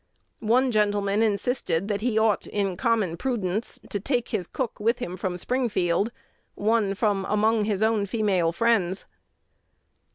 One gentleman insisted that he ought, in common prudence, to take his cook with him from Springfield, one from "among his own female friends."